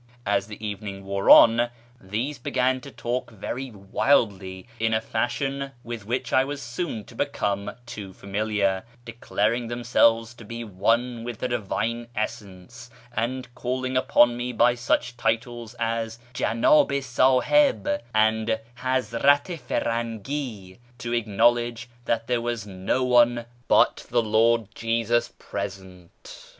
As the evening wore on, these began to talk very wildly, in a fashion with wdiich I was soon to become but too familiar, declaring themselves to be one with the Divine Essence, and calling upon me by such titles as " Jendb i Sahib " and " Hazi^at i Firangi " to acknowledge that there was " no one but the Lord Jesus " present.